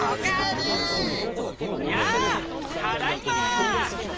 やあただいま！